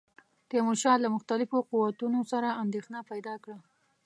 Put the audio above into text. تیمورشاه له مختلفو قوتونو سره اندېښنه پیدا کړه.